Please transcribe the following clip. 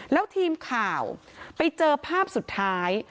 แล้วทีมข่าวไปเจอภาพสุดท้าย